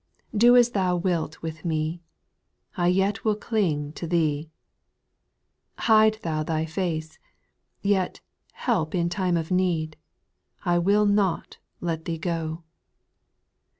Do as Thou wilt with me, I yet will cling to Thee ; Hide Thou Thy face, — yet. Help in time of need, I will not let Thee go